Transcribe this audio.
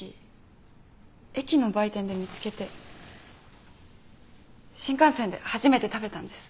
駅の売店で見つけて新幹線で初めて食べたんです。